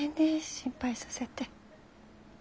心配させて。